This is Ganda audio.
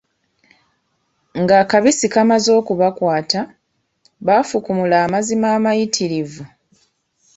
Ng'akabisi kamaze okubakwata, baafukumula amazima amayitirivu,